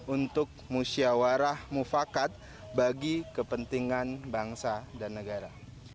untuk musyawarah mufakat bagi kepentingan bangsa dan negara